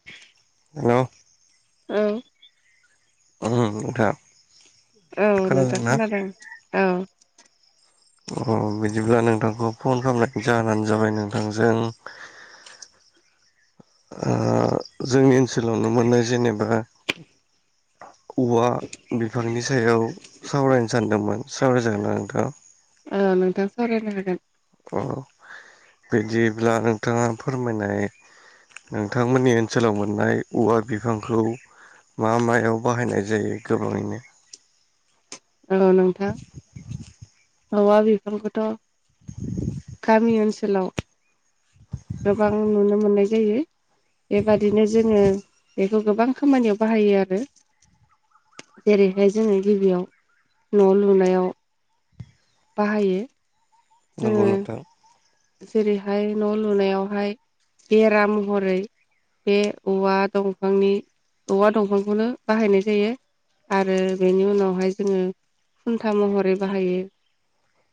[inaudible] Hello ओं नोंथां औ नोंथां खोनादोंना खोनादों औ अ बिदिब्ला नोंथांखौ फन खालामनायनि जाहोनानो जाबाय नोंथांजों ओ जोंनि ओनसोलाव नुनो मोननाय जेनेबा औवा बिफांनि सायाव सावरायनो सानदोंमोन सावराय जागोनना नोंथां? औ नोंथां सावरायनो हागोन अ बिदिब्ला नोंथाङा फोरमायनाय नोंथांमोननि ओनसोलाव मोननाय औवा बिफांखौ मा मायाव बाहायनाय जायो गोबाङैनो औ नोंथां औवा बिफांखौथ' गामि ओनसोलाव गोबां नुनो मोननाय जायो बेबादिनो जोङो बेखौ गोबां खामानियाव बाहायो आरो जेरैहाय जोङो गिबियाव न' लुनायाव बाहायो जोङो नंगौ नोंथां जेरैहाय न' लुनायावहाय बेरा महरै बे औवा दंफांनि औवा दंफांखौनो बाहायनाय जायो आरो बेनि उनावहाय जोङो खुनथा महरै बाहायो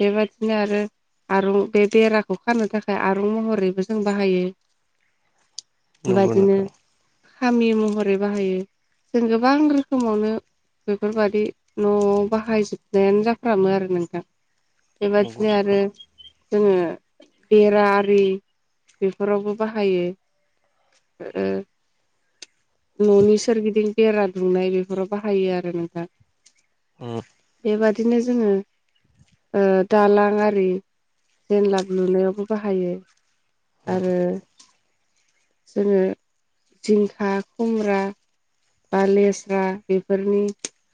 बेबायादिनो आरो आरं बे बेरा खानो थाखाय आरं महरैबो जों बाहायो नंगौ बेबाददिनो नोंथां खामि महरै बाहायो जों गोबां रोखोमावनो बेफोरबायादि न'आव बाहायजोबनायानो जाफ्रामो आरो नोंथां नंगौ बेबादिनो नोंथां आरो जोङो बेरा आरि बेफोरावबो बाहायो ओ न'नि सोरगिदिं बेरा दुंनाय बेफोराव बाहायो आरो नोंथां ओ बेबादिनो जोङो दालां आरि जेला [unintelligible] लुनायावबो बाहायो ओम आरो जोङो जिंखा खुमब्रा बा लेस्रा बेफोरनि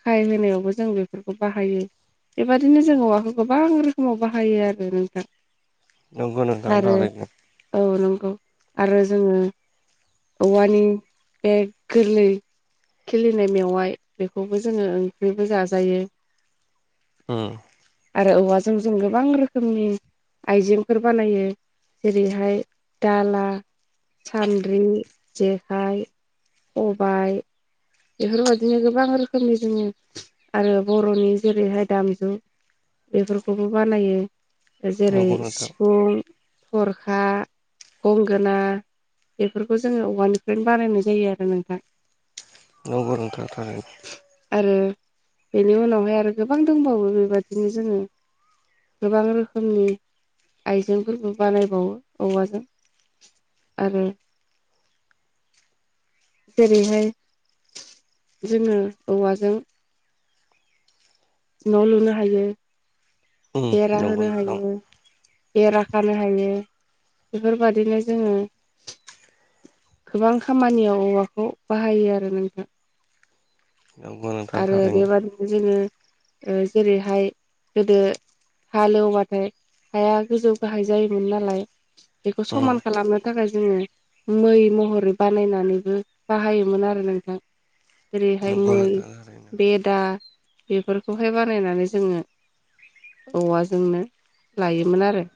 खाय [unintelligible] होनायावबो जों बेफोरखौ बाहायो बेबादिनो जों औवाखौ गोबां रोखोमाव बाहायो आरो नोंथां नंगौ नोंथां आरो थारैनो औ नंगौ आरो जोङो औवानि बे गोरलै खिलिनाय मेवाइ बेखौबो जोङो ओंख्रिबो जाजायो [inaudible] ओम आरो औवाजों जों गोबां रोखोमनि आइजेंफोर बानायो जेरैहाय दाला सान्द्रि जेखाइ खबाय बेफोरबायदिनो गोबां रोखोमनि जोङनि आरो बर'नि जेरैहाय दामजु बेफोरखौबो बानायो जेरै नंगौ नोंथां सिफुं थरखा गंगोना बेफोरखौ जोङो औवानिफ्रायनो बानायनाय जायो आरो नोंथां नंगौ नोंथां थारैनो आरो बेनि उनावहाय आरो गोबां दंबावो बेबायादिनो जोङो गोबां रोखोमनि आइजेंफोरबो बानायबावो औवाजों आरो जेरैहाय जोङो औवाजों न' लुनो हायो उम बेरा नंगौ होनो नोंथां हायो बेरा खानो हायो बेफोरबादिनो जोङो गोबां खामानियाव औवाखौ बाहायो आरो नोंथां [unintelligible] आरो बेबादिनो जोङो जेरैहाय गोदो हाल एवबाथाय हाया गोजौ गाहाय जायोमोन नालाय बेखौ उम समान खालामनो थाखाय जोङो मै महरै बानायनानैबो बाहायोमोन आरो नोंथां जेरैहाय नंगौ मै नोंथां थारैनो बेदा बेफोरखौहाय बानायनानै जोङो औवाजोंनो लायोमोन आरो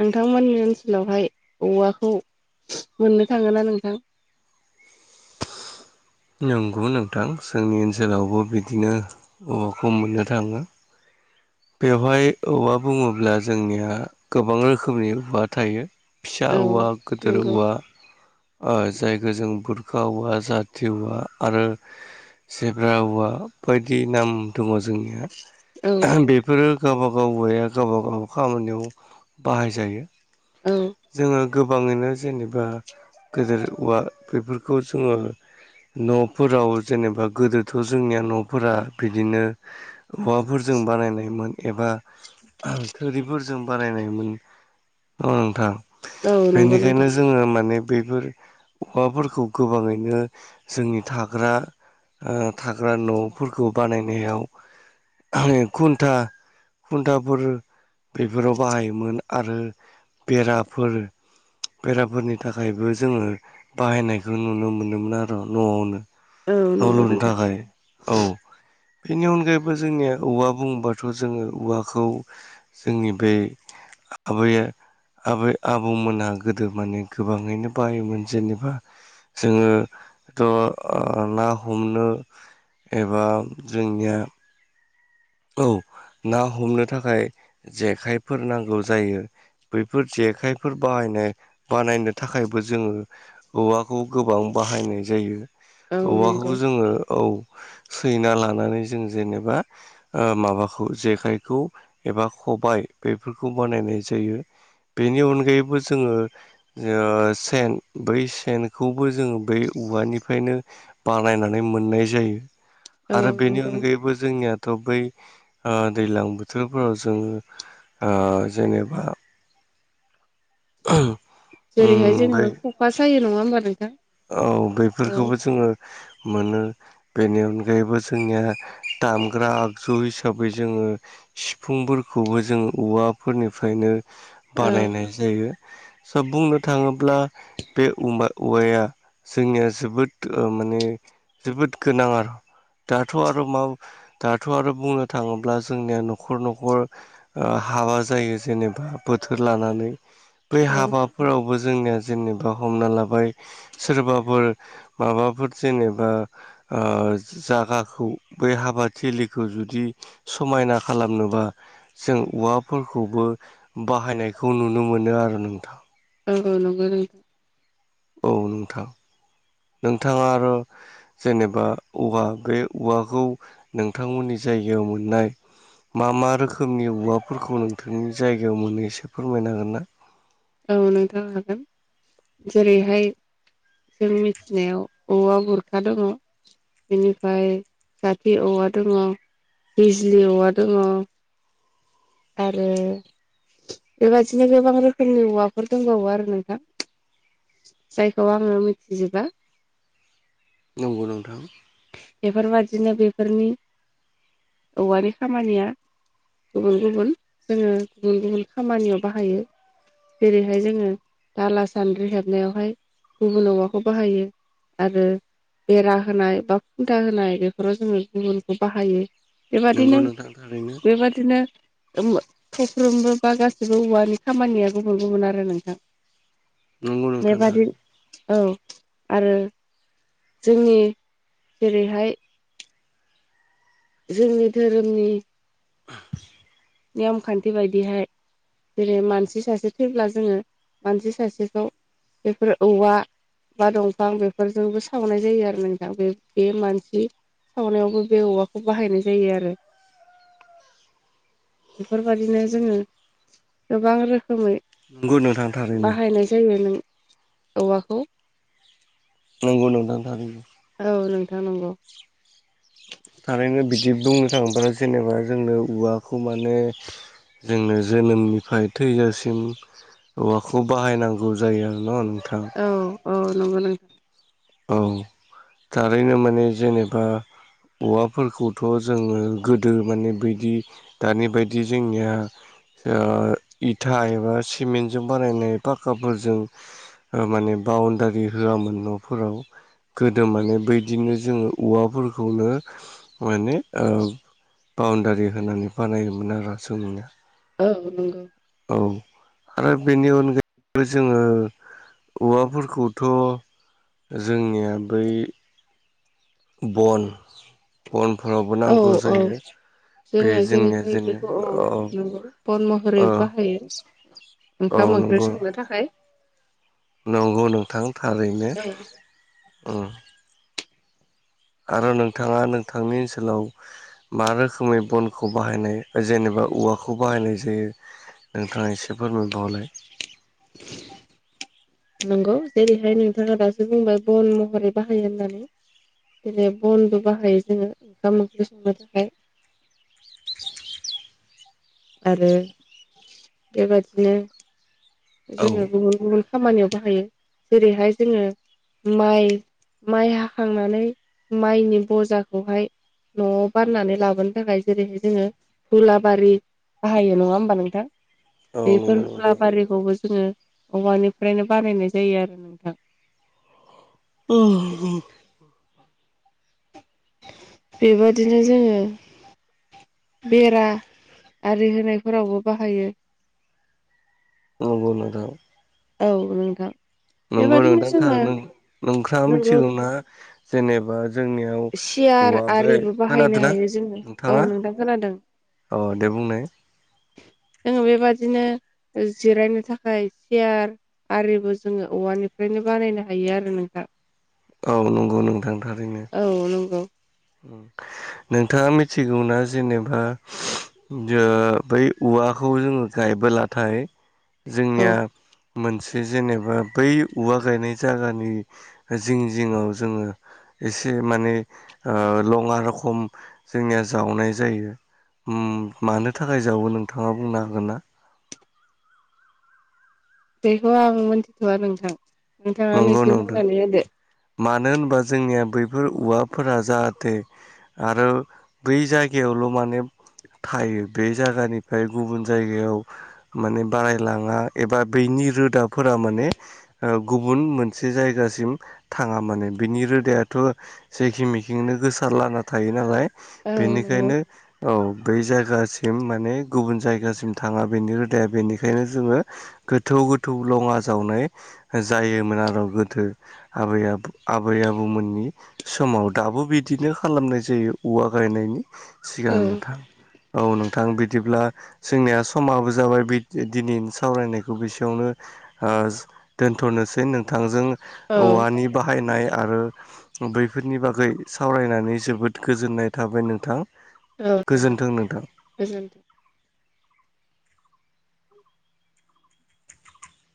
नोंथांमोननि ओनसोलावहाय औवाखौ मोननो थाङोना नोंथां नंगौ नोंथां जोंनि ओनसोलावबो बिदिनो औवाखौ मोननो थाङो बेयावहाय औवा बुङोब्ला जोंनिया गोबां रोखोमनि औवा थायो फिसा औ औवा गिदिर नंगौ औवा जायखौ जों बुरखा औवा जाथि औवा आरो जेब्रा औवा बायदि नाम दङ जोंनिया औ बेफोरो गावबा गाव औवाया गावबा गाव खामानियाव बाहायजायो औ जोङो गोबाङैनो जेनेबा गेदेर औवा बेफोरखौ जोङो न'फोराव जेनेबा गोदोथ' जोंनिया न'फोरा बिदिनो औवाफोरजों बानायनायमोन एबा थोरिफोरजों बानायनायमोन ओ नोंथां औ नंगौ बेनिखायनो नोंथां जोङो माने बेफोर औवाफोरखौ गोबाङैनो जोंनि थाग्रा थाग्रा न'फोरखौ बानायनायाव खोन्था खुन्थाफोर बेफोराव बाहायोमोन आरो बेराफोर बेराफोरनि थाखायबो जोङो बाहायनायखौ नुनो मोनोमोन आरो न'आवनो औ नंगौ आावलनो नोंथां थाखाय औ बेनि अनगायैबो जोंनिया औवा बुंबाथ' जोङो औवाखौ जोंनि ब आबै आब आबौमोना गोदो माने गोबाङैनो बायोमोन जेनेबा जोङोथ' ना हमनो एबा जोंनिया औ ना हमनो थाखाय जेखाइफोर नांगौ जायो बैफोर जेखाइफोर बाहायनाय बानायनो थाखायबो जोङो औौवाखौ गोबां बाहायनाय जायो औ नंगौ औवाखौबो जोङो औ सैना लानानै जों जेनेबा माबाखौ जेखाइखौ एबा खबाय बेफोरखौ बानायनाय जायो बेनि अनगायैबो जोङो ज सेन बै सेनखौबो जोङो बै औवानिफ्रायनो बानायनानै मोननाय जायो औ आरो बेनि नंगौ अनगायैबो जोंनियाथ' बै दैज्लां बोथोरफोराव जोङो जेनेबा औं जेरैहाय जोङो खखा सायो नङा होमबा नोंथां औ औ बेफोरखौबो जोङो मोनो बेनि अनगायैबो जोंनिया दामग्रा आगजु हिसाबै जोङो सिफुंफोरखौबो जों औवाफोरनिफ्रायनो औ बानायनाय जायो सा बुंनो थाङोब्ला बे औवाया जोंनिया जोबोद माने जोबोद गोनां आरो दाथ' आरो मा दाथ' आरो बुंनो थाङोब्ला जोंनिया न'खर न'खर हाबा जायो जेनेबा बोथोर लानानै बै औ हाबाफोरावबो जोंनिया जेनेबा हमना लाबाय सोरबाफोर माबाफोर जेनेबा जागाखौ बै हाबाथिलिखौ जुदि समायना खालामनोबा जों औवाफोरखौबो बाहायनायखौ नुनो मोनो आरो नोंथां औ औ नंगौ नंगौ औ नोंथां नोंथाङा आरो जेनेबा औवा बे औवाखौ नोंथांमोननि जायगायाव मोननाय मा मा रोखोमनि औवाफोरखौ नोंथांनि जायगायाव मोनो एसे फोरमायनो हागोन ना औ नोंथां हागोन जेरैहाय जों मिथिनायाव औा गुरखा दङ बेनिफ्राय जाथि औवा दङ बिजलि औवा दङ आरो बेबादिनो गोबां रोखोम खोमनि औवाफोर दंबावो आरो नोंथां जायखौ आङो मिथिजोबा नंगौ नोंथां बेफोरबादिनो बेफोरनि औवानि खामानिया गुबुन गुबुन जोङो गुबुन गुबुन खामानियाव बाहायो जेरैहाय जोङो दाला सान्द्रि हेबनायावहाय गुबुन अमाखौ बाहायो आरो बेरा होनाय बा खुन्दा होनाय बेफोराव जोङो गुबुनखौ बाहायो नंगौ बेबादिनो नोंथां थारैनो बेबायादि बिदिनो थफ्र्रोमबो बा गाैबो औवानि खामानिया गुबुन गुबुन आरो नोंथां नंगौ नोंथां बेबादि थारैनो औ आरो जोंनि जेरैहाय जोंनि धोरोमनि नियम खान्थि बायदिहाय जेरै मानसि सासे थैब्ला जोङो मानसि सासेखौ बेफोर औवा बा दंफां बेफोरजोंबो सावनाय जायो आरो नोंथां बे बे मानसि सावनायावबो बे औवाखौ बाहायनाय जायो आरो। बेफोरबायदििनो जोङो गोबां रोखोमै नंगौ नोंथां थारैनो बाहायनाय जायो नों औवाखौ। नंगौ नोंथां दा औ नोंथां नंगौ। थारैनो बिदि बुंनो थाङोब्ला जेनेबा जोंनो औवाखौ माने जोंनो जोनोमनिफ्राय थैजासिम औवाखौ बाहायनांगौ जायो आरो न' नोंथां? औ औ नंगौ नोंथां। औ थारैनो माने जेनेबा औवाफोरखौथ' जोङो गोदो माने बैदि दानि बायदि जोंनिया ओ इथा एबा सिमेन्टजों बानायनाय पाक्काफोरजों माने बाउणडारि होआमोन न' फोराव गोदो मे बदिनो जोङो औवाफोरखौनो माने ओ बाउणडारि होनानै बानायोमोन आरो सोंया औ नंगौ औ आरो बेनि अनगायैबो जोङो औवाफोरखौथ' जोंनिया बै बन बनफोरावबो औ नांगौ औ जायो। बे जोङो जोंनिया जेरैहाय जेनो बेखौ औ नंगौ बन महरै औ बाहायो। औ ओंखाम ओंख्रि नंगौ संनो थाखाय। नंगौ नोंथां थारैनो औ उम आरो नोंथाङा नोंथांनि ओनसोलाव मा रोखोमै बनखौ बाहायनाय जेनेबा औवाखौ बाहायनाय जायो? नोंथाङा एसे फोरमाबावलाय। नंगौ जेरैहाय नोंथाङा दासो बुंबाय बन महरै बाहायो होननानै दिनै बनबो बाहायो जोङो ओंखाम ओंख्रि संनो थाखाय। आरो बेबादिनो औ जोङो गुबुन गुबुन खामानियाव बाहायो जेरैहाय जोङो माइ माइ हाखांनानै माइनि बजाखौहाय न'आव बारनानै लाबोनो थाखाय जेरैहाय जोङो हुलाबारि बाहायो नङा होमबा नोंथां? औ नंगौ बेफोर नोंथां मुलाबारिखौबो जोङो औवानिफ्रायनो बानायनाय जायो आरो नोंथां ‌। औ बेबादिनो जोङो बेरा आरि होनायफोरावबो बाहायो। औ नंगौ नोंथां। औ नोंथां नंगौ बेबादिनो नोंथां जोङो नोंथाङा नंगौ मिथिगौना जेनेबा जोंनि सियार औा बे आरिबो बाहायनो खोनादों ना हायो जोङो औ नोंथाङा? नोंथां खोनादों अ दे बुंनाय। जोङो बेबादिनो जिरायनो थाखाय सियार आरिबो जोङो औवानिफ्रायनो बानायनो हायो आरो नोंथां। औ नंगौ नोंथां थारैनो। औ नंगौ। नोंथाङा मिथिगौना जेनेबा जो बै औवाखौ जोङो गायबोलाथाय औ जोंनिया मोनसे जेनेबा बै औवा गायनाय जायगानि जिं जिंङाव जोङो एसे माने लङा रखम जोंनिया जावनाय जायो मानो थाखाय जावो नोंथाङा बुंनो हागोन ना बेखौ आं मोनथिथ'वा नोंथां नोंथाङानो नंगौ एसे नंदों बुंनानै होदो मानो होनबा जोंनिया बैफोर औवाफोरा जाहाथे आरो बै जायगायावल' माने थायो बे जायगानिफ्राय गुबुन जायगायाव माने बारायलाङा एबा बैनि रोदाफोरा माने गुबुन मोनसे जायगासिम थाङा माने बिनि रोदायाथ' जेखिं मेखिंनो गोसारलाना थायो नालाय औ नंगौ। बेनिखायनो औ बै जायगासिम माने गुबुन जायगासिम थाङा बेनि रोदाया बेनिखायनो जोङो गोथौ गोथौ लङा जावनाय जायोमोन आरो गोदो आबै आबु आबै आबौमोननि समाव दाबो बिदिनो खालामनाय जायो औवा गायनायनि औ सिगां नोंथां औ नोंथां बिदिब्ला जोंनिया समाबो जाबाय दिनै सावरायनायखौ बेसेयावनो दोन्थ'नोसै नोंथांजों औ औवानि बाहायनाय आरो बैफोरनि बागै सावरायनानै जोबोद गोजोननाय थाबाय नोंथां औ नोंथां गोजोन्थों नोंथां। गोजोनथों